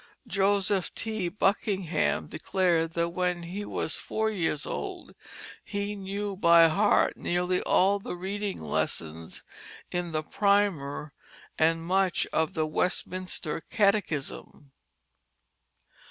Joseph T. Buckingham declared that when he was four years old he knew by heart nearly all the reading lessons in the primer and much of the Westminster Catechism.